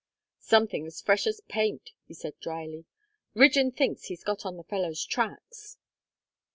"Something as fresh as paint," said he dryly. "Rigden thinks he's got on the fellow's tracks."